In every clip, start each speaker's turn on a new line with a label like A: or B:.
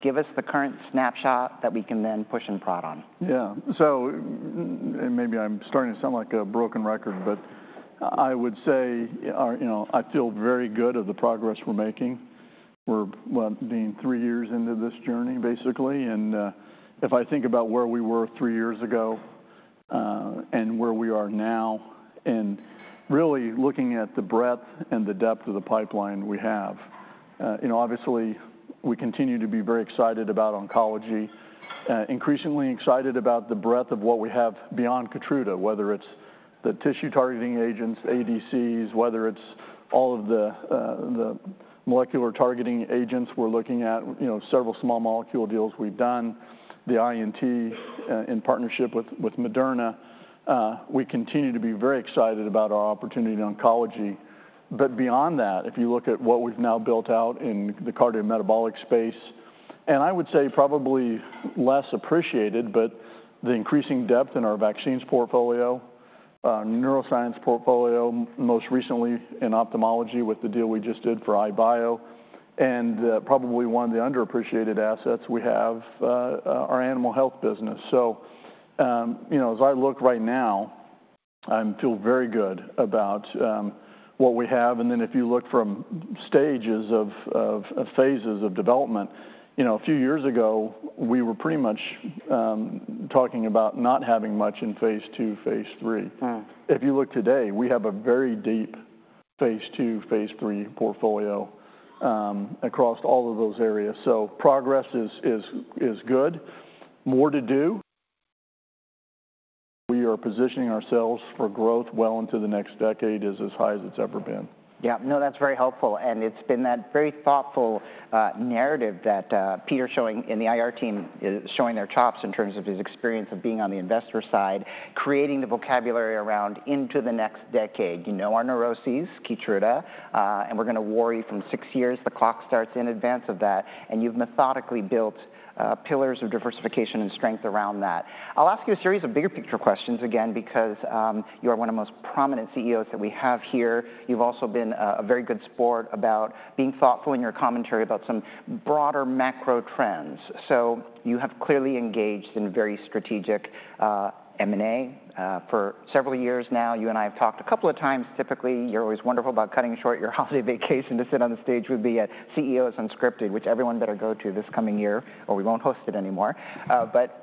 A: Give us the current snapshot that we can then push and prod on.
B: Yeah. So, and maybe I'm starting to sound like a broken record, but I would say, you know, I feel very good of the progress we're making. We're, well, being three years into this journey, basically, and, if I think about where we were three years ago, and where we are now, and really looking at the breadth and the depth of the pipeline we have, you know, obviously, we continue to be very excited about oncology, increasingly excited about the breadth of what we have beyond KEYTRUDA, whether it's the tissue-targeting agents, ADCs, whether it's all of the, the molecular targeting agents we're looking at, you know, several small molecule deals we've done, the INT, in partnership with, with Moderna. We continue to be very excited about our opportunity in oncology. But beyond that, if you look at what we've now built out in the cardiometabolic space, and I would say probably less appreciated, but the increasing depth in our vaccines portfolio, neuroscience portfolio, most recently in ophthalmology with the deal we just did for EyeBio, and, probably one of the underappreciated assets we have, our animal health business. So, you know, as I look right now, I feel very good about, what we have. And then if you look from stages of, of, phases of development, you know, a few years ago, we were pretty much, talking about not having much in phase II, phase III.
A: Mm.
B: If you look today, we have a very deep phase II, phase III portfolio, across all of those areas. So progress is good. More to do. We are positioning ourselves for growth well into the next decade is as high as it's ever been.
A: Yeah. No, that's very helpful, and it's been that very thoughtful narrative that Peter showing, and the IR team is showing their chops in terms of his experience of being on the investor side, creating the vocabulary around into the next decade. You know, our neuroses, KEYTRUDA, and we're gonna worry from six years, the clock starts in advance of that, and you've methodically built pillars of diversification and strength around that. I'll ask you a series of bigger picture questions again because you are one of the most prominent CEOs that we have here. You've also been a very good sport about being thoughtful in your commentary about some broader macro trends. So you have clearly engaged in very strategic M&A for several years now. You and I have talked a couple of times. Typically, you're always wonderful about cutting short your holiday vacation to sit on the stage with the CEOs Unscripted, which everyone better go to this coming year, or we won't host it anymore. But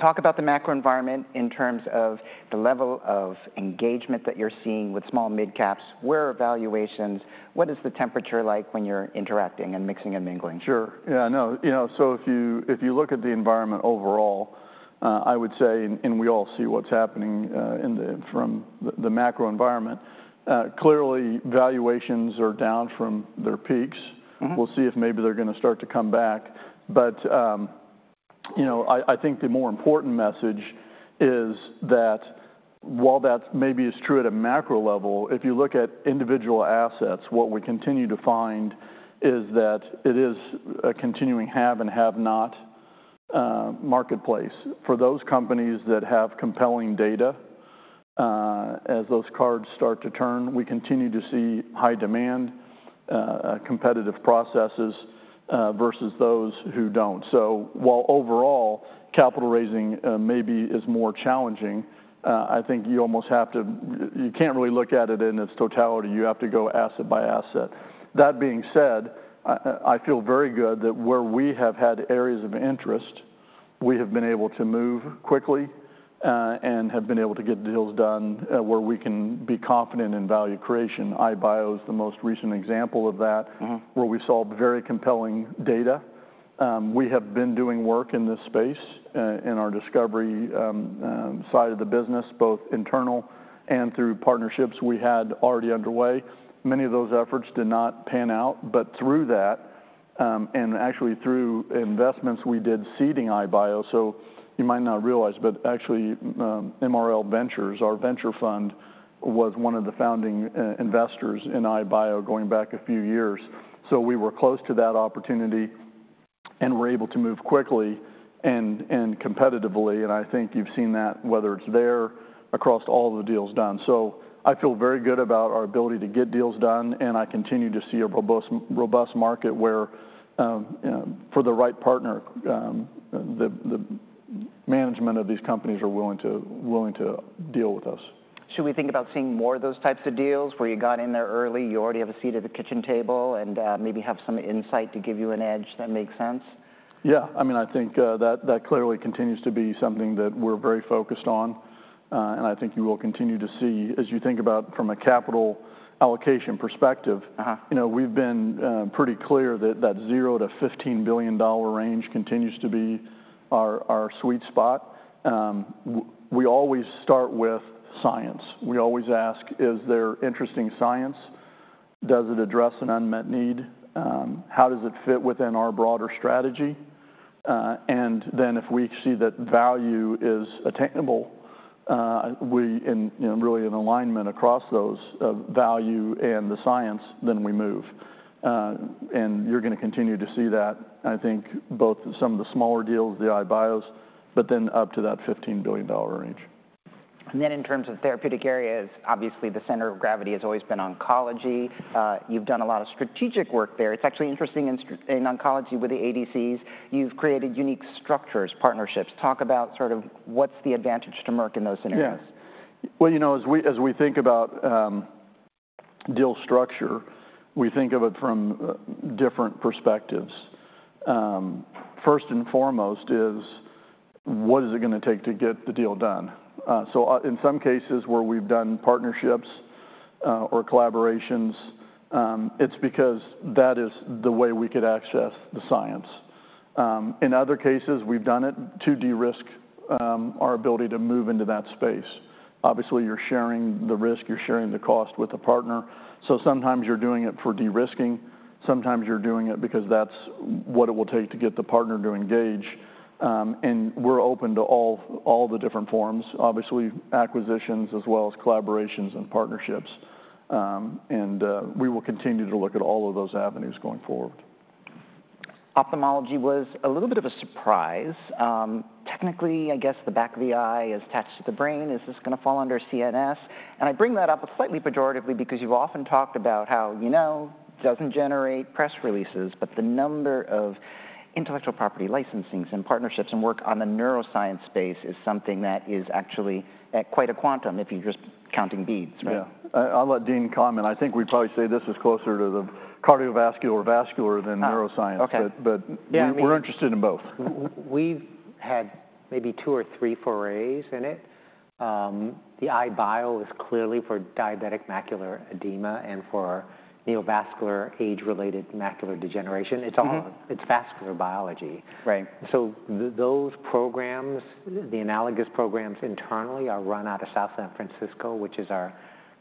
A: talk about the macro environment in terms of the level of engagement that you're seeing with small midcaps, where are valuations, what is the temperature like when you're interacting and mixing and mingling?
B: Sure. Yeah, I know. You know, so if you look at the environment overall, I would say, and we all see what's happening in the—from the macro environment, clearly, valuations are down from their peaks.
A: Mm-hmm.
B: We'll see if maybe they're gonna start to come back. But, you know, I think the more important message is that while that maybe is true at a macro level, if you look at individual assets, what we continue to find is that it is a continuing have and have-not marketplace. For those companies that have compelling data, as those cards start to turn, we continue to see high demand, competitive processes, versus those who don't. So while overall, capital raising, maybe is more challenging, I think you almost have to, you can't really look at it in its totality. You have to go asset by asset. That being said, I feel very good that where we have had areas of interest, we have been able to move quickly, and have been able to get deals done, where we can be confident in value creation. EyeBio is the most recent example of that.
A: Mm-hmm...
B: where we saw very compelling data. We have been doing work in this space, in our discovery, side of the business, both internal and through partnerships we had already underway. Many of those efforts did not pan out. But through that, and actually through investments we did seeding EyeBio, so you might not realize, but actually, MRL Ventures, our venture fund, was one of the founding, investors in EyeBio going back a few years. So we were close to that opportunity, and were able to move quickly and, and competitively, and I think you've seen that, whether it's there, across all the deals done. So I feel very good about our ability to get deals done, and I continue to see a robust, robust market where, for the right partner, the management of these companies are willing to, willing to deal with us.
A: Should we think about seeing more of those types of deals, where you got in there early, you already have a seat at the kitchen table, and maybe have some insight to give you an edge that makes sense?
B: Yeah, I mean, I think, that clearly continues to be something that we're very focused on, and I think you will continue to see. As you think about from a capital allocation perspective-
A: Uh-huh...
B: you know, we've been pretty clear that that $0-$15 billion range continues to be our, our sweet spot. We always start with science. We always ask: Is there interesting science? Does it address an unmet need? How does it fit within our broader strategy? And then if we see that value is attainable, and, you know, really an alignment across those, value and the science, then we move. And you're gonna continue to see that, I think, both some of the smaller deals, the EyeBios, but then up to that $15 billion range. ...
A: in terms of therapeutic areas, obviously, the center of gravity has always been oncology. You've done a lot of strategic work there. It's actually interesting in oncology with the ADCs, you've created unique structures, partnerships. Talk about sort of what's the advantage to Merck in those scenarios?
B: Yeah. Well, you know, as we think about deal structure, we think of it from different perspectives. First and foremost is, what is it gonna take to get the deal done? So, in some cases where we've done partnerships or collaborations, it's because that is the way we could access the science. In other cases, we've done it to de-risk our ability to move into that space. Obviously, you're sharing the risk, you're sharing the cost with a partner, so sometimes you're doing it for de-risking, sometimes you're doing it because that's what it will take to get the partner to engage. And we're open to all the different forms, obviously, acquisitions as well as collaborations and partnerships. And we will continue to look at all of those avenues going forward.
A: Ophthalmology was a little bit of a surprise. Technically, I guess the back of the eye is attached to the brain. Is this gonna fall under CNS? I bring that up slightly pejoratively because you've often talked about how, you know, it doesn't generate press releases, but the number of intellectual property licensings and partnerships and work on the neuroscience space is something that is actually at quite a quantum if you're just counting beads, right?
B: Yeah. I'll let Dean comment. I think we'd probably say this is closer to the cardiovascular or vascular-
A: Ah, okay.
B: than neuroscience. But
C: Yeah, I mean-
B: We're interested in both.
C: We've had maybe two or three forays in it. The EyeBio is clearly for diabetic macular edema and for neovascular age-related macular degeneration.
A: Mm-hmm.
C: It's all, it's vascular biology.
A: Right.
C: So those programs, the analogous programs internally, are run out of South San Francisco, which is our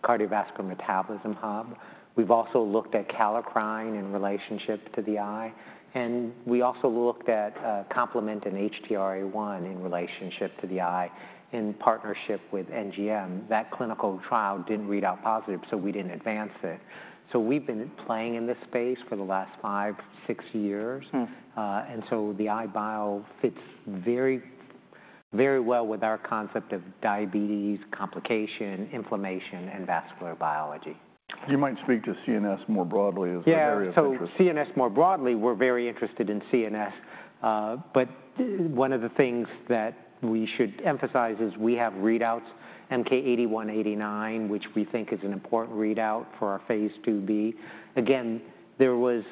C: cardiovascular metabolism hub. We've also looked at kallikrein in relationship to the eye, and we also looked at complement and HTRA1 in relationship to the eye in partnership with NGM. That clinical trial didn't read out positive, so we didn't advance it. So we've been playing in this space for the last five, six years.
A: Hmm.
C: And so the EyeBio fits very, very well with our concept of diabetes, complication, inflammation, and vascular biology.
B: You might speak to CNS more broadly as an area of interest.
C: Yeah, so CNS more broadly, we're very interested in CNS. But one of the things that we should emphasize is we have readouts, MK-8189, which we think is an important readout for our phase 2b. Again, there was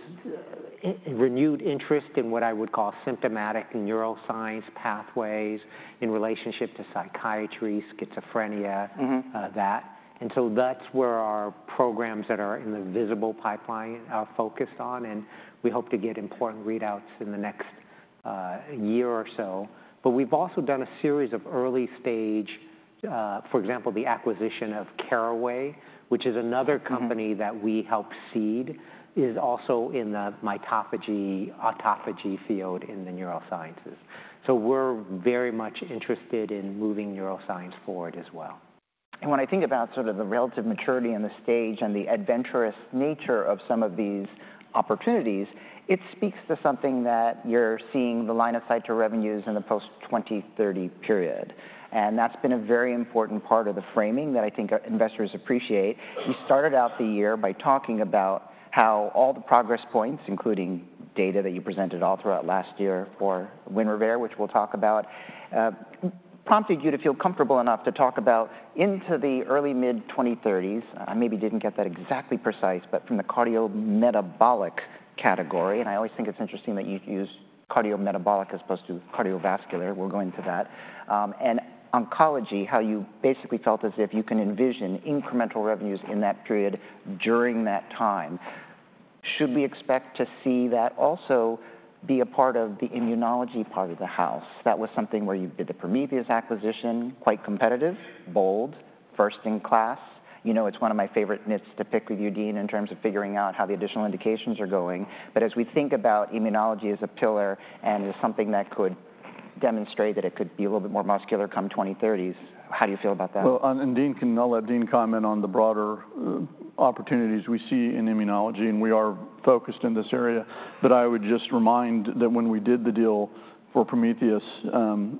C: renewed interest in what I would call symptomatic neuroscience pathways in relationship to psychiatry, schizophrenia-
A: Mm-hmm...
C: that. And so that's where our programs that are in the visible pipeline are focused on, and we hope to get important readouts in the next year or so. But we've also done a series of early-stage... For example, the acquisition of Caraway, which is another company-
A: Mm-hmm...
C: that we helped seed, is also in the mitophagy/autophagy field in the neurosciences. So we're very much interested in moving neuroscience forward as well.
A: When I think about sort of the relative maturity and the stage and the adventurous nature of some of these opportunities, it speaks to something that you're seeing the line of sight to revenues in the post-2030 period, and that's been a very important part of the framing that I think our investors appreciate. You started out the year by talking about how all the progress points, including data that you presented all throughout last year for WINREVAIR, which we'll talk about, prompted you to feel comfortable enough to talk about into the early mid-2030s. I maybe didn't get that exactly precise, but from the cardiometabolic category, and I always think it's interesting that you use cardiometabolic as opposed to cardiovascular. We'll go into that. And oncology, how you basically felt as if you can envision incremental revenues in that period during that time. Should we expect to see that also be a part of the immunology part of the house? That was something where you did the Prometheus acquisition, quite competitive, bold, first in class. You know, it's one of my favorite nits to pick with you, Dean, in terms of figuring out how the additional indications are going. But as we think about immunology as a pillar and as something that could demonstrate that it could be a little bit more muscular come 2030s, how do you feel about that?
B: Well, and Dean can-- I'll let Dean comment on the broader, opportunities we see in immunology, and we are focused in this area. But I would just remind that when we did the deal for Prometheus,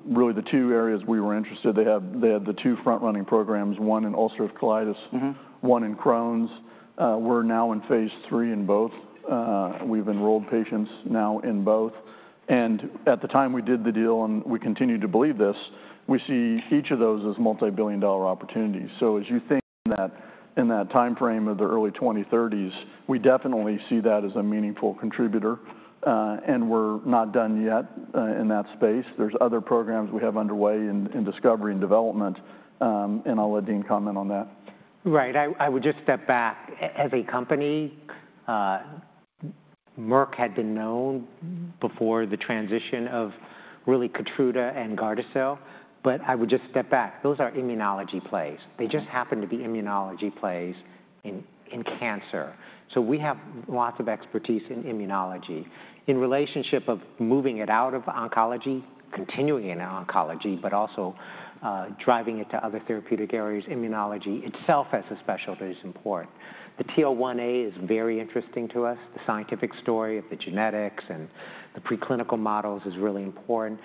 B: really the two areas we were interested, they had, they had the two front-running programs, one in ulcerative colitis-
A: Mm-hmm...
B: one in Crohn's. We're now in phase III in both. We've enrolled patients now in both. And at the time we did the deal, and we continue to believe this, we see each of those as multi-billion dollar opportunities. So as you think in that, in that timeframe of the early 2030s, we definitely see that as a meaningful contributor, and we're not done yet, in that space. There's other programs we have underway in discovery and development, and I'll let Dean comment on that.
C: Right. I would just step back. As a company, Merck had been known before the transition of really KEYTRUDA and GARDASIL, but I would just step back. Those are immunology plays. They just happen to be immunology plays in cancer, so we have lots of expertise in immunology. In relationship of moving it out of oncology, continuing it in oncology, but also driving it to other therapeutic areas, immunology itself as a specialty is important. The TL1A is very interesting to us. The scientific story of the genetics and the preclinical models is really important.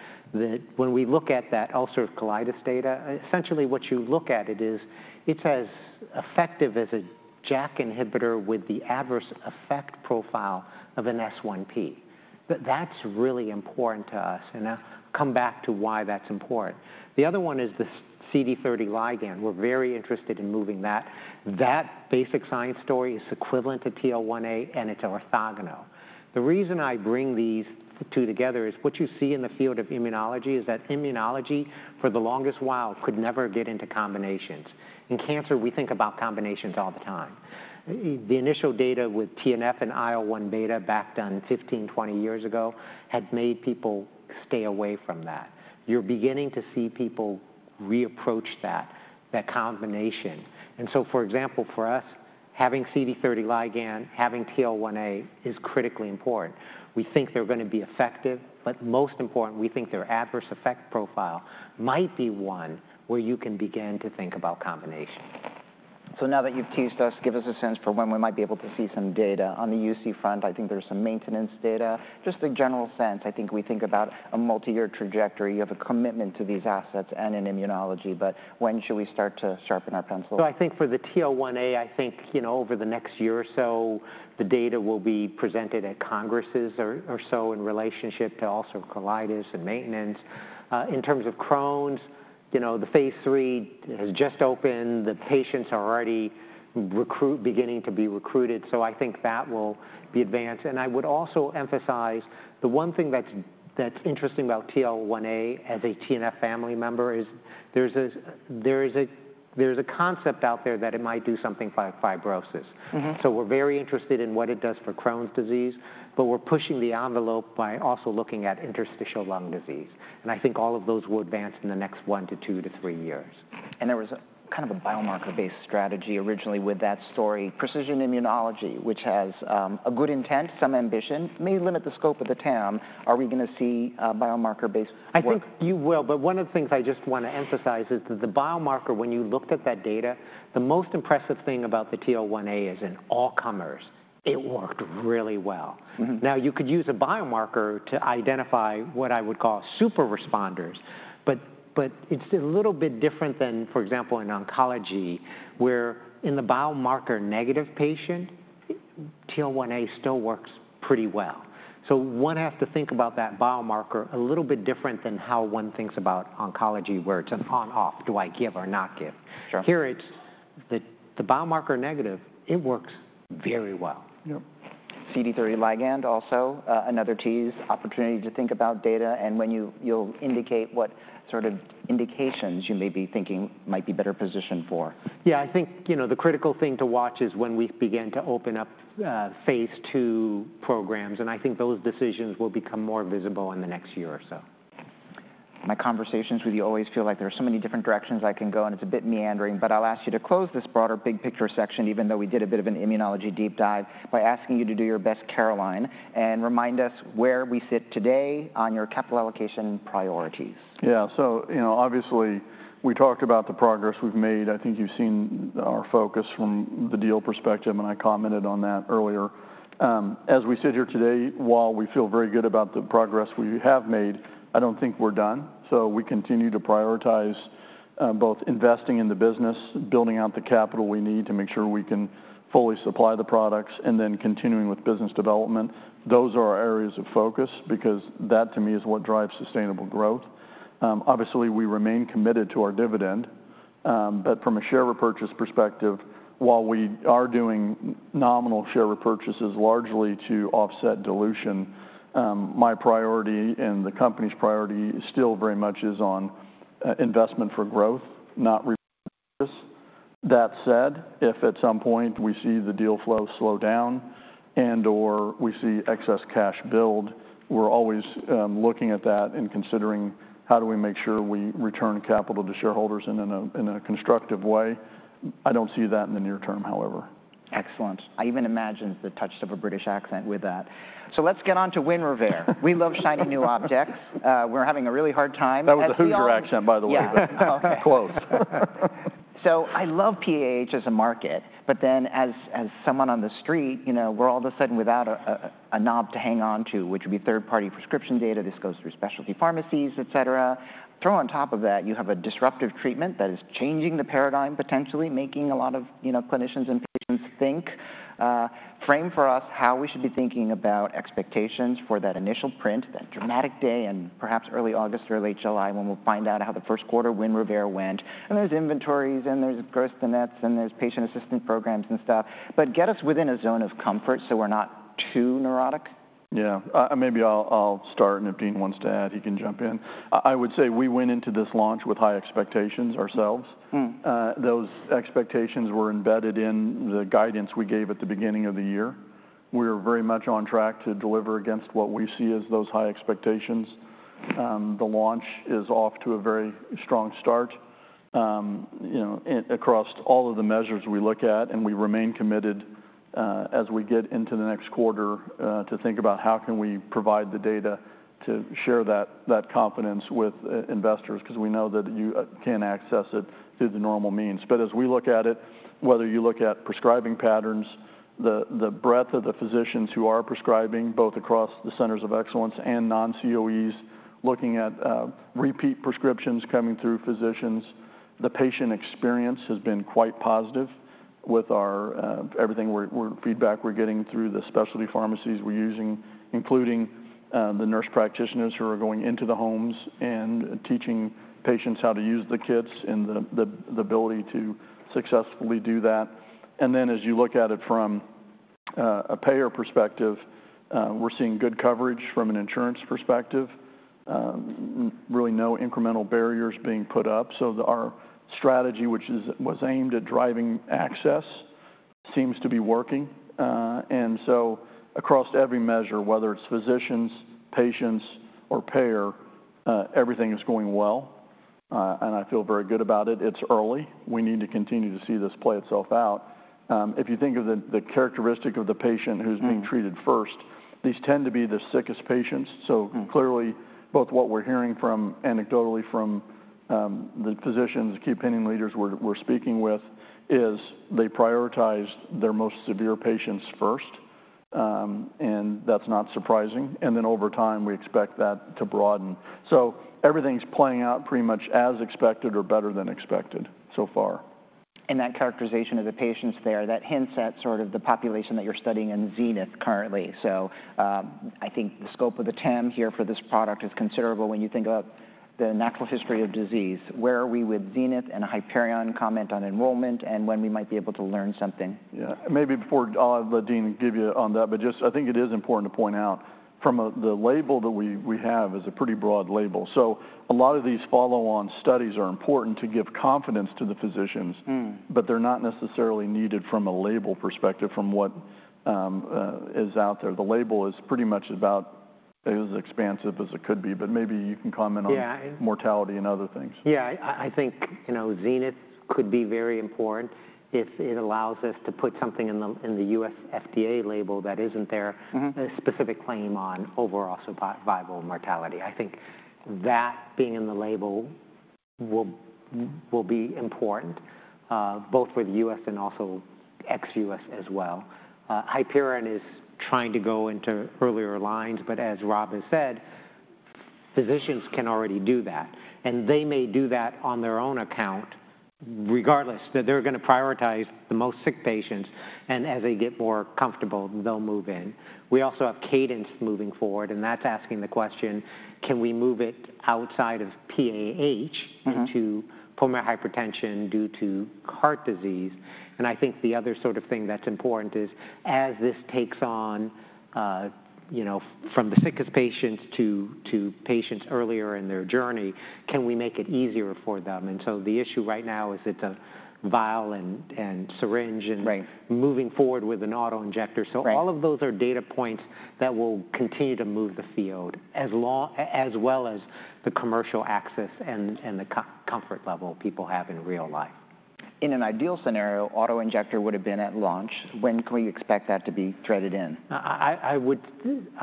C: When we look at that ulcerative colitis data, essentially, what you look at it is, it's as effective as a JAK inhibitor with the adverse effect profile of an S1P. But that's really important to us, and I'll come back to why that's important. The other one is the CD30 ligand. We're very interested in moving that. That basic science story is equivalent to TL1A, and it's orthogonal. The reason I bring these two together is what you see in the field of immunology is that immunology, for the longest while, could never get into combinations. In cancer, we think about combinations all the time. The initial data with TNF and IL-1 beta back, done 15, 20 years ago, had made people stay away from that. You're beginning to see people reapproach that, that combination. And so, for example, for us, having CD30 ligand, having TL1A, is critically important. We think they're gonna be effective, but most important, we think their adverse effect profile might be one where you can begin to think about combination.
A: So now that you've teased us, give us a sense for when we might be able to see some data. On the UC front, I think there's some maintenance data. Just a general sense. I think we think about a multi-year trajectory. You have a commitment to these assets and in immunology, but when should we start to sharpen our pencils?
C: So I think for the TL1A, I think, you know, over the next year or so, the data will be presented at congresses or, or so in relationship to also colitis and maintenance. In terms of Crohn's, you know, the phase III has just opened. The patients are already beginning to be recruited, so I think that will be advanced. I would also emphasize, the one thing that's interesting about TL1A as a TNF family member is there's this concept out there that it might do something by fibrosis.
A: Mm-hmm.
C: We're very interested in what it does for Crohn's disease, but we're pushing the envelope by also looking at interstitial lung disease, and I think all of those will advance in the next 1 to 2 to 3 years.
A: There was a kind of a biomarker-based strategy originally with that story, precision immunology, which has a good intent, some ambition, may limit the scope of the TAM. Are we gonna see a biomarker-based work?
C: I think you will, but one of the things I just wanna emphasize is that the biomarker, when you looked at that data, the most impressive thing about the TL1A is, in all comers, it worked really well.
A: Mm-hmm.
C: Now, you could use a biomarker to identify what I would call super responders, but it's a little bit different than, for example, in oncology, where in the biomarker-negative patient, TL1A still works pretty well. So one has to think about that biomarker a little bit different than how one thinks about oncology, where it's an on/off, do I give or not give?
A: Sure.
C: Here, it's the biomarker negative, it works very well.
A: Yep. CD30 ligand, also, another tease, opportunity to think about data and when you'll indicate what sort of indications you may be thinking might be better positioned for.
C: Yeah, I think, you know, the critical thing to watch is when we begin to open up phase II programs, and I think those decisions will become more visible in the next year or so.
A: My conversations with you always feel like there are so many different directions I can go, and it's a bit meandering, but I'll ask you to close this broader big picture section, even though we did a bit of an immunology deep dive, by asking you to do your best, Caroline, and remind us where we sit today on your capital allocation priorities.
B: Yeah. So, you know, obviously, we talked about the progress we've made. I think you've seen our focus from the deal perspective, and I commented on that earlier. As we sit here today, while we feel very good about the progress we have made, I don't think we're done. So we continue to prioritize both investing in the business, building out the capital we need to make sure we can fully supply the products, and then continuing with business development. Those are our areas of focus because that, to me, is what drives sustainable growth. Obviously, we remain committed to our dividend, but from a share repurchase perspective, while we are doing nominal share repurchases largely to offset dilution, my priority and the company's priority still very much is on investment for growth, not repurchases. That said, if at some point we see the deal flow slow down and/or we see excess cash build, we're always looking at that and considering how do we make sure we return capital to shareholders and in a constructive way. I don't see that in the near term, however.
A: Excellent. I even imagined the touch of a British accent with that. So let's get on to WINREVAIR. We love shiny new objects. We're having a really hard time-
B: That was a Hoosier accent, by the way.
A: Yeah. Okay.
B: Close.
A: So I love PAH as a market, but then as, as someone on the street, you know, we're all of a sudden without a, a, a knob to hang on to, which would be third-party prescription data. This goes through specialty pharmacies, et cetera. Throw on top of that, you have a disruptive treatment that is changing the paradigm, potentially making a lot of, you know, clinicians and patients think. Frame for us how we should be thinking about expectations for that initial print, that dramatic day in perhaps early August or late July, when we'll find out how the first quarter WINREVAIR went, and there's inventories, and there's gross to nets, and there's patient assistance programs and stuff, but get us within a zone of comfort so we're not too neurotic.
B: Yeah. Maybe I'll start, and if Dean wants to add, he can jump in. I would say we went into this launch with high expectations ourselves.
A: Mm.
B: Those expectations were embedded in the guidance we gave at the beginning of the year. We're very much on track to deliver against what we see as those high expectations. The launch is off to a very strong start, you know, across all of the measures we look at, and we remain committed, as we get into the next quarter, to think about how can we provide the data to share that confidence with investors, because we know that you can't access it through the normal means. But as we look at it, whether you look at prescribing patterns, the breadth of the physicians who are prescribing, both across the centers of excellence and non-COEs, looking at repeat prescriptions coming through physicians, the patient experience has been quite positive. with our everything we're feedback we're getting through the specialty pharmacies we're using, including the nurse practitioners who are going into the homes and teaching patients how to use the kits and the ability to successfully do that. And then as you look at it from a payer perspective, we're seeing good coverage from an insurance perspective. Really no incremental barriers being put up. So our strategy, which was aimed at driving access, seems to be working. And so across every measure, whether it's physicians, patients, or payer, everything is going well, and I feel very good about it. It's early. We need to continue to see this play itself out. If you think of the characteristic of the patient who's-
C: Mm...
B: being treated first, these tend to be the sickest patients.
C: Mm.
B: Clearly, both what we're hearing from, anecdotally from, the physicians, the key opinion leaders we're speaking with, is they prioritize their most severe patients first, and that's not surprising. Then over time, we expect that to broaden. Everything's playing out pretty much as expected or better than expected so far.
A: That characterization of the patients there, that hints at sort of the population that you're studying in ZENITH currently. So, I think the scope of the TAM here for this product is considerable when you think about the natural history of disease. Where are we with ZENITH and HYPERION? Comment on enrollment, and when we might be able to learn something.
B: Yeah. Maybe before I'll let Dean give you on that, but just I think it is important to point out, from the label that we have is a pretty broad label. So a lot of these follow-on studies are important to give confidence to the physicians-
C: Mm...
B: but they're not necessarily needed from a label perspective from what, is out there. The label is pretty much about as expansive as it could be, but maybe you can comment on-
C: Yeah...
B: mortality and other things.
C: Yeah, I think, you know, ZENITH could be very important if it allows us to put something in the U.S. FDA label that isn't there-
B: Mm-hmm...
C: a specific claim on overall survivable mortality. I think that being in the label will, will be important, both with U.S. and also ex-U.S. as well. HYPERION is trying to go into earlier lines, but as Rob has said, physicians can already do that, and they may do that on their own account, regardless, that they're gonna prioritize the most sick patients, and as they get more comfortable, they'll move in. We also have CADENCE moving forward, and that's asking the question, "Can we move it outside of PAH-
A: Mm-hmm...
C: into pulmonary hypertension due to heart disease? And I think the other sort of thing that's important is, as this takes on, you know, from the sickest patients to patients earlier in their journey, can we make it easier for them? And so the issue right now is it's a vial and syringe and-
A: Right...
C: moving forward with an auto-injector.
A: Right.
C: So all of those are data points that will continue to move the field as long as well as the commercial access and the comfort level people have in real life.
A: In an ideal scenario, auto-injector would've been at launch. When can we expect that to be threaded in?
C: I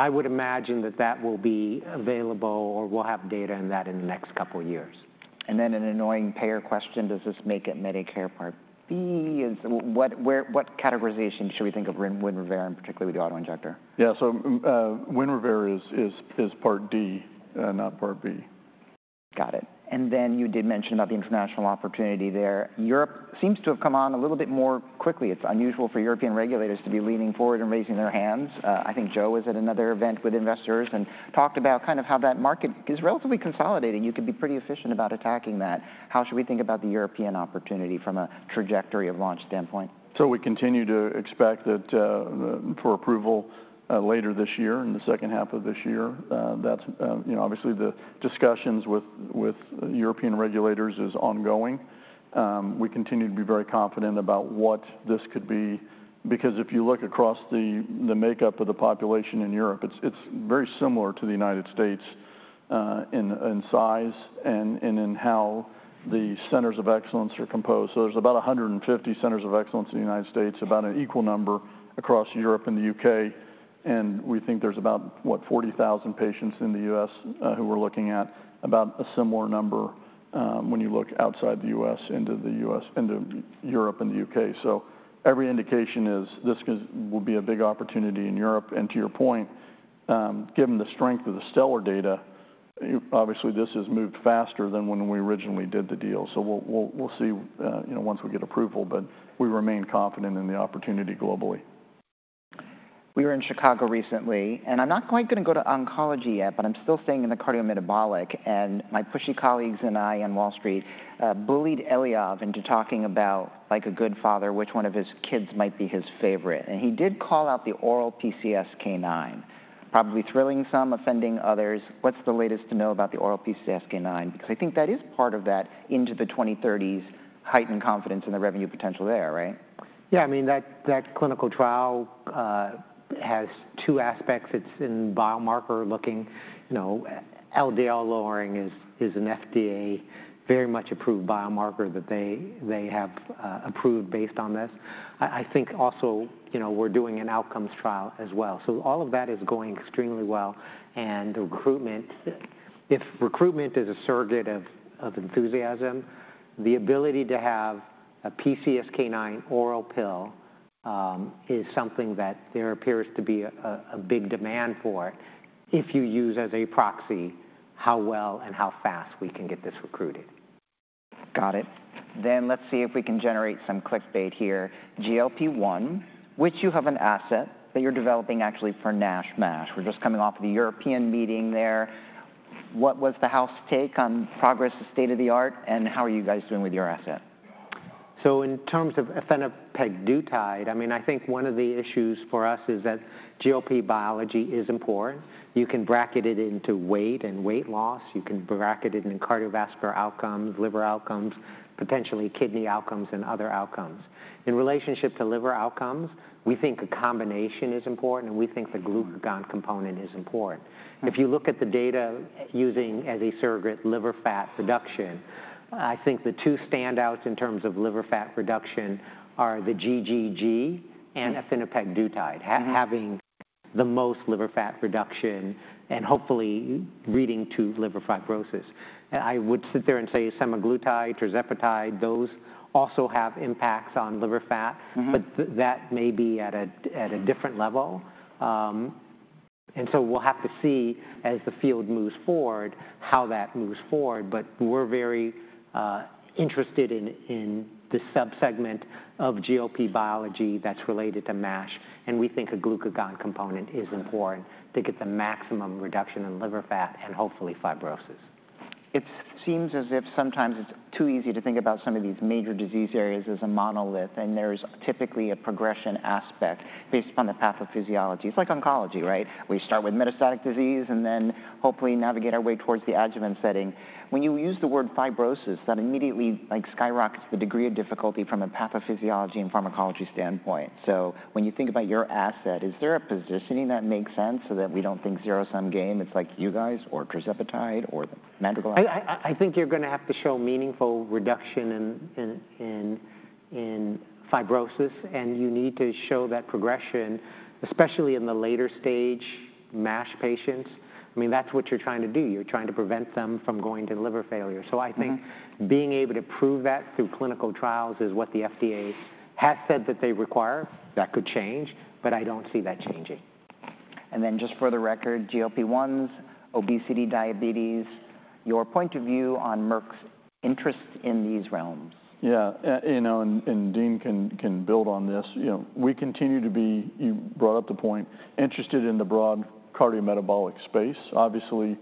C: would imagine that that will be available, or we'll have data on that in the next couple of years.
A: Then an annoying payer question, does this make it Medicare Part B? What categorization should we think of WINREVAIR, in particular, with the auto-injector?
C: Yeah, so, WINREVAIR is Part D, not Part B.
A: Got it. And then you did mention about the international opportunity there. Europe seems to have come on a little bit more quickly. It's unusual for European regulators to be leaning forward and raising their hands. I think Joe was at another event with investors and talked about kind of how that market is relatively consolidating. You could be pretty efficient about attacking that. How should we think about the European opportunity from a trajectory of launch standpoint?
B: So we continue to expect that, for approval, later this year, in the second half of this year. That's, you know, obviously, the discussions with, with European regulators is ongoing. We continue to be very confident about what this could be because if you look across the, the makeup of the population in Europe, it's, it's very similar to the United States, in, in size and, and in how the centers of excellence are composed. So there's about 150 centers of excellence in the United States, about an equal number across Europe and the UK, and we think there's about, what, 40,000 patients in the US, who we're looking at, about a similar number, when you look outside the US, into Europe and the UK. So every indication is this will be a big opportunity in Europe. And to your point, given the strength of the stellar data, obviously, this has moved faster than when we originally did the deal. So we'll see, you know, once we get approval, but we remain confident in the opportunity globally.
A: We were in Chicago recently, and I'm not quite gonna go to oncology yet, but I'm still staying in the cardiometabolic, and my pushy colleagues and I on Wall Street bullied Eliav into talking about, like a good father, which one of his kids might be his favorite, and he did call out the oral PCSK9, probably thrilling some, offending others. What's the latest to know about the oral PCSK9? Because I think that is part of that into the 2030s heightened confidence in the revenue potential there, right?
C: Yeah, I mean, that clinical trial has two aspects. It's in biomarker looking. You know, LDL lowering is an FDA very much approved biomarker that they have approved based on this. I think also, you know, we're doing an outcomes trial as well, so all of that is going extremely well. And the recruitment—if recruitment is a surrogate of enthusiasm, the ability to have a PCSK9 oral pill is something that there appears to be a big demand for if you use as a proxy how well and how fast we can get this recruited.
A: Got it. Then let's see if we can generate some clickbait here. GLP-1, which you have an asset that you're developing actually for NASH MASH. We're just coming off the European meeting there. What was the house take on progress, the state-of-the-art, and how are you guys doing with your asset?
C: So in terms of efinopegdutide, I mean, I think one of the issues for us is that GLP biology is important. You can bracket it into weight and weight loss. You can bracket it in cardiovascular outcomes, liver outcomes, potentially kidney outcomes, and other outcomes. In relationship to liver outcomes, we think a combination is important, and we think the glucagon component is important. If you look at the data using as a surrogate liver fat reduction, I think the two standouts in terms of liver fat reduction are the GGG and efinopegdutide.
A: Mm-hmm
C: having the most liver fat reduction and hopefully leading to liver fibrosis. I would sit there and say semaglutide, tirzepatide, those also have impacts on liver fat-
A: Mm-hmm...
C: but that may be at a, at a different level. And so we'll have to see as the field moves forward, how that moves forward. But we're very interested in the subsegment of GLP biology that's related to MASH, and we think a glucagon component is important to get the maximum reduction in liver fat and hopefully fibrosis.
A: It seems as if sometimes it's too easy to think about some of these major disease areas as a monolith, and there's typically a progression aspect based upon the pathophysiology. It's like oncology, right? We start with metastatic disease, and then hopefully navigate our way towards the adjuvant setting. When you use the word fibrosis, that immediately, like, skyrockets the degree of difficulty from a pathophysiology and pharmacology standpoint. So when you think about your asset, is there a positioning that makes sense so that we don't think zero-sum game, it's like you guys or tirzepatide or medical-
C: I think you're gonna have to show meaningful reduction in fibrosis, and you need to show that progression, especially in the later stage MASH patients. I mean, that's what you're trying to do. You're trying to prevent them from going to liver failure.
A: Mm-hmm.
C: So I think being able to prove that through clinical trials is what the FDA has said that they require. That could change, but I don't see that changing.
A: And then just for the record, GLP-1s, obesity, diabetes, your point of view on Merck's interest in these realms?
B: Yeah, you know, and Dean can build on this. You know, we continue to be, you brought up the point, interested in the broad cardiometabolic space. Obviously,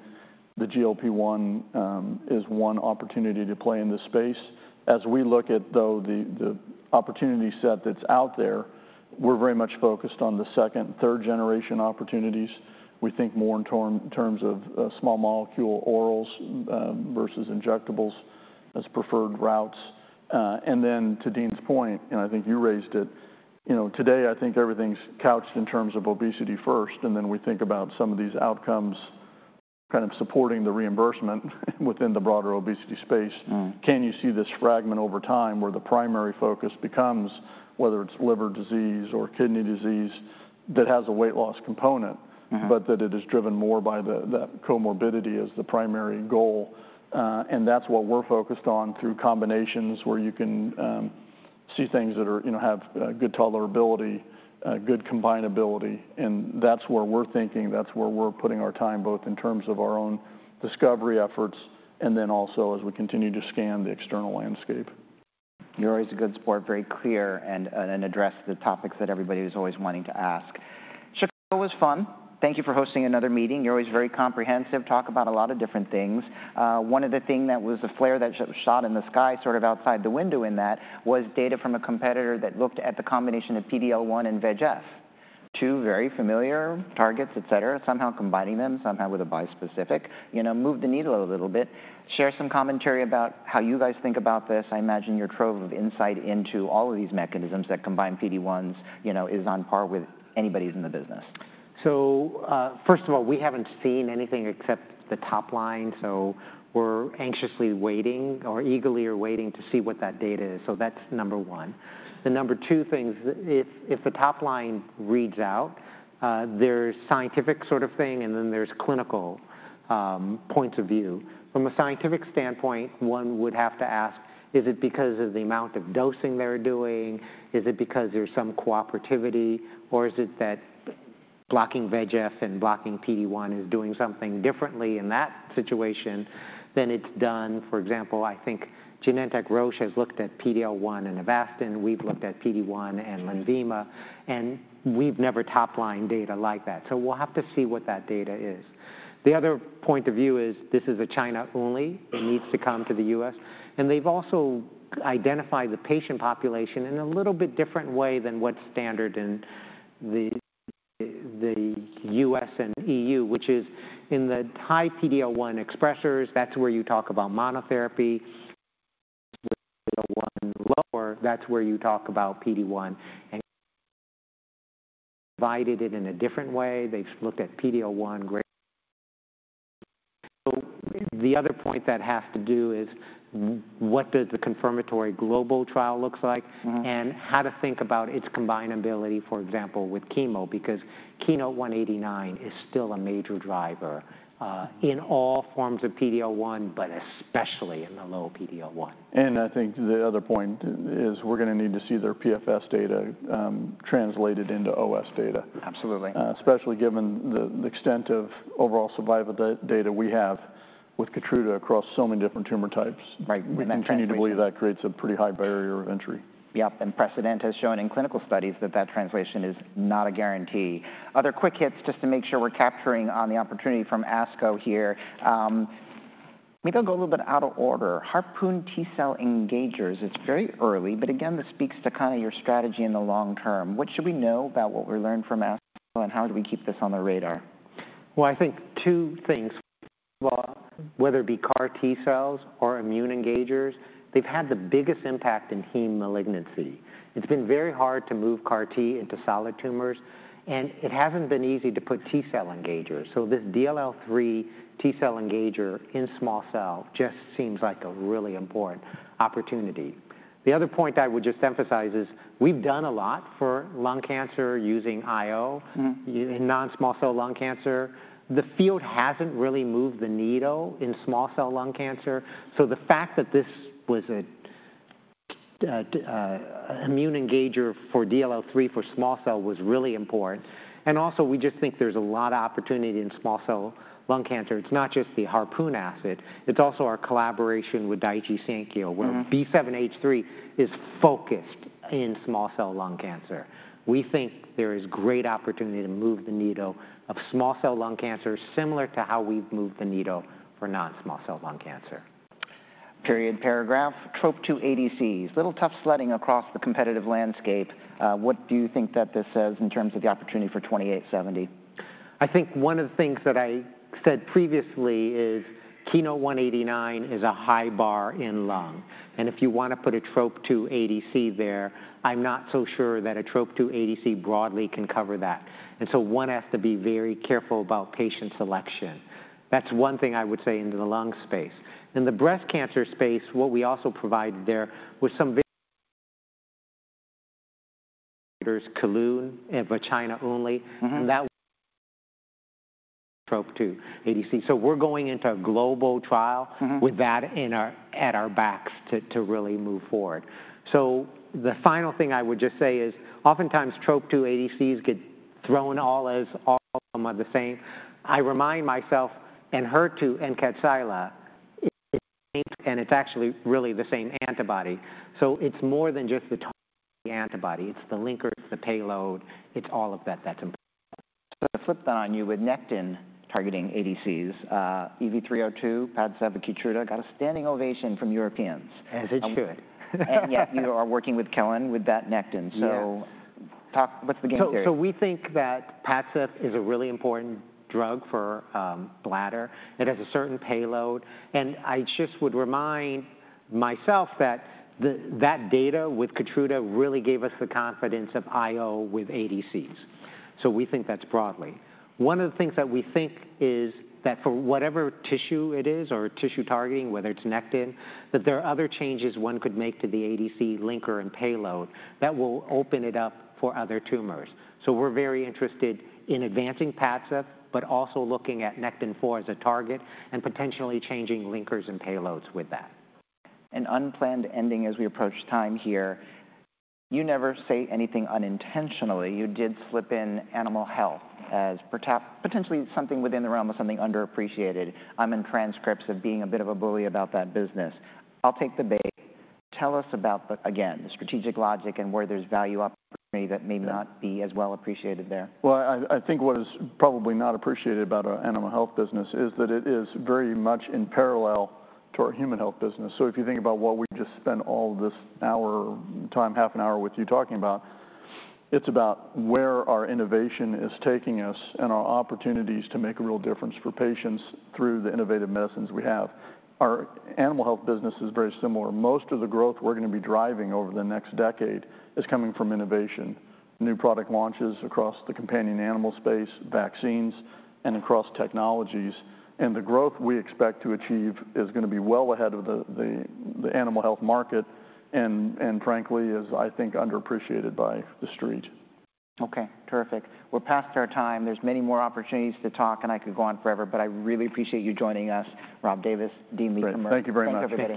B: the GLP-1 is one opportunity to play in this space. As we look at, though, the opportunity set that's out there, we're very much focused on the second- and third-generation opportunities. We think more in terms of small molecule orals versus injectables as preferred routes. And then to Dean's point, and I think you raised it, you know, today I think everything's couched in terms of obesity first, and then we think about some of these outcomes kind of supporting the reimbursement within the broader obesity space.
A: Mm.
B: Can you see this fragment over time where the primary focus becomes whether it's liver disease or kidney disease that has a weight loss component-
A: Mm-hmm...
B: but that it is driven more by the, that comorbidity as the primary goal? And that's what we're focused on through combinations, where you can see things that are... You know, have good tolerability, good combinability, and that's where we're thinking, that's where we're putting our time, both in terms of our own discovery efforts and then also as we continue to scan the external landscape.
A: You're always a good sport, very clear, and address the topics that everybody is always wanting to ask. Was fun. Thank you for hosting another meeting. You're always very comprehensive, talk about a lot of different things. One of the thing that was a flare that shot in the sky, sort of outside the window in that, was data from a competitor that looked at the combination of PD-L1 and VEGF, two very familiar targets, et cetera. Somehow combining them, somehow with a bispecific, you know, moved the needle a little bit. Share some commentary about how you guys think about this. I imagine your trove of insight into all of these mechanisms that combine PD-1s, you know, is on par with anybody's in the business.
C: So, first of all, we haven't seen anything except the top line, so we're anxiously waiting or eagerly are waiting to see what that data is. So that's number one. The number two thing, if the top line reads out, there's scientific sort of thing, and then there's clinical points of view. From a scientific standpoint, one would have to ask: Is it because of the amount of dosing they're doing? Is it because there's some cooperativity, or is it that blocking VEGF and blocking PD-1 is doing something differently in that situation than it's done... For example, I think Genentech, Roche has looked at PD-L1 and Avastin. We've looked at PD-1 and Lenvima, and we've never top-lined data like that, so we'll have to see what that data is. The other point of view is this is a China only.
A: Mm.
C: It needs to come to the US, and they've also identified the patient population in a little bit different way than what's standard in the US and EU, which is in the high PD-L1 expressers. That's where you talk about monotherapy. PD-L1 lower, that's where you talk about PD-1 and divided it in a different way. They've looked at PD-L1 greater-... The other point that has to do is what does the confirmatory global trial looks like?
A: Mm-hmm. How to think about its combinability, for example, with chemo, because KEYNOTE-189 is still a major driver in all forms of PD-L1, but especially in the low PD-L1.
B: I think the other point is we're gonna need to see their PFS data translated into OS data.
A: Absolutely.
B: especially given the extent of overall survival data we have with KEYTRUDA across so many different tumor types.
A: Right, and that translation-
B: We continue to believe that creates a pretty high barrier of entry.
A: Yep, and precedent has shown in clinical studies that that translation is not a guarantee. Other quick hits, just to make sure we're capturing on the opportunity from ASCO here. Maybe I'll go a little bit out of order. Harpoon T-cell engagers, it's very early, but again, this speaks to kind of your strategy in the long term. What should we know about what we learned from ASCO, and how do we keep this on the radar?
C: Well, I think two things. Well, whether it be CAR T-cells or immune engagers, they've had the biggest impact in heme malignancy. It's been very hard to move CAR T into solid tumors, and it hasn't been easy to put T-cell engagers. So this DLL3 T-cell engager in small cell just seems like a really important opportunity. The other point I would just emphasize is, we've done a lot for lung cancer using IO.
A: Mm-hmm.
C: In non-small cell lung cancer, the field hasn't really moved the needle in small cell lung cancer, so the fact that this was a T-cell engager for DLL3 for small cell was really important. And also, we just think there's a lot of opportunity in small cell lung cancer. It's not just the Harpoon asset, it's also our collaboration with Daiichi Sankyo-
A: Mm-hmm...
C: where B7-H3 is focused in small cell lung cancer. We think there is great opportunity to move the needle of small cell lung cancer, similar to how we've moved the needle for non-small cell lung cancer.
A: TROP2 ADCs, little tough sledding across the competitive landscape. What do you think that this says in terms of the opportunity for 2870?
C: I think one of the things that I said previously is KEYNOTE-189 is a high bar in lung, and if you wanna put a TROP2 ADC there, I'm not so sure that a TROP2 ADC broadly can cover that, and so one has to be very careful about patient selection. That's one thing I would say into the lung space. In the breast cancer space, what we also provided there was some very Kelun, for China only.
A: Mm-hmm.
C: That TROP2 ADC. We're going into a global trial-
A: Mm-hmm...
C: with that in our, at our backs to really move forward. So the final thing I would just say is, oftentimes TROP2 ADCs get thrown all as all of them are the same. I remind myself, Enhertu and Kadcyla, it, and it's actually really the same antibody. So it's more than just the antibody, it's the linker, it's the payload, it's all of that that's important.
A: I'm gonna flip that on you with nectin targeting ADCs. EV302, Padcev, and KEYTRUDA got a standing ovation from Europeans.
C: As it should.
A: Yeah, you are working with Kelun with that Nectin-4.
C: Yeah.
A: So, talk. What's the game theory?
C: So we think that Padcev is a really important drug for bladder. It has a certain payload, and I just would remind myself that the data with KEYTRUDA really gave us the confidence of IO with ADCs. So we think that's broadly. One of the things that we think is that for whatever tissue it is, or tissue targeting, whether it's nectin, that there are other changes one could make to the ADC linker and payload that will open it up for other tumors. So we're very interested in advancing Padcev, but also looking at nectin-4 as a target, and potentially changing linkers and payloads with that.
A: An unplanned ending as we approach time here. You never say anything unintentionally. You did slip in animal health as potentially something within the realm of something underappreciated. I'm interested in being a bit of a bully about that business. I'll take the bait. Tell us about the, again, the strategic logic and where there's value opportunity that may not be as well appreciated there.
B: Well, I think what is probably not appreciated about our animal health business is that it is very much in parallel to our human health business. So if you think about what we just spent all this hour time, half an hour with you talking about, it's about where our innovation is taking us and our opportunities to make a real difference for patients through the innovative medicines we have. Our animal health business is very similar. Most of the growth we're gonna be driving over the next decade is coming from innovation, new product launches across the companion animal space, vaccines, and across technologies. And the growth we expect to achieve is gonna be well ahead of the animal health market, and frankly, is, I think, underappreciated by the street.
A: Okay, terrific. We're past our time. There's many more opportunities to talk, and I could go on forever, but I really appreciate you joining us, Rob Davis, Dean Li, commercial.
C: Thank you very much.
A: Thank you for the-